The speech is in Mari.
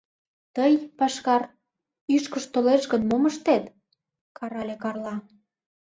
— Тый, пашкар, ӱшкыж толеш гын, мом ыштет? — карале Карла.